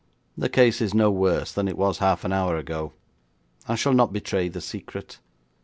The case is no worse than it was half an hour ago. I shall not betray the secret.'